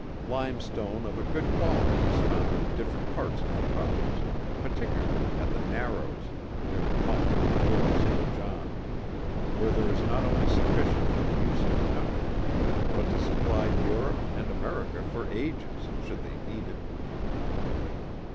Limestone of a good quality is found in different parts of the Province; particularly at the narrows, near the mouth of the river St. John, where there is not only sufficient for the use of the country; but to supply Europe and America for ages, should they need it.